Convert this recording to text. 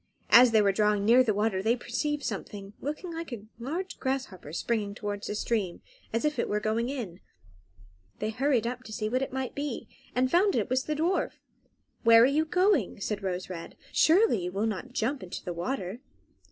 As they were drawing near the water they perceived something, looking like a large grasshopper, springing towards the stream, as if it were going in. They hurried up to see what it might be, and found that it was the dwarf. "Where are you going?" said Rose Red. "Surely you will not jump into the water?"